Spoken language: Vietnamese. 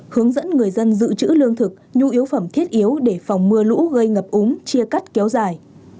hướng dẫn người dân dự trữ lương thực nhu yếu phẩm thiết yếu để phòng mưa lũ gây ngập úng chia cắt kéo dài